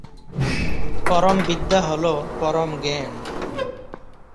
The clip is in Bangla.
পরম বিদ্যা হল পরম জ্ঞান।